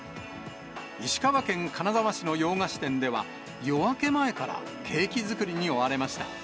石川県金沢市の洋菓子店では、夜明け前からケーキ作りに追われました。